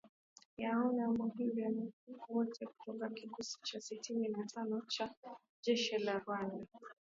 Yoano Muhindi Uwajeneza, wote kutoka kikosi cha sitini na tano cha jeshi la Rwanda